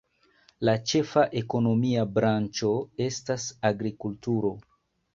La ĉefa ekonomia branĉo estas agrikulturo.